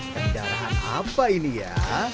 kendaraan apa ini ya